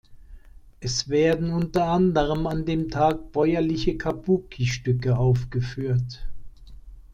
Es werden unter anderem an dem Tag bäuerliche Kabuki-Stücke aufgeführt.